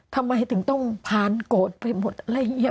ทำไมถึงต้องผ่านโกรธไปหมดอะไรอย่างนี้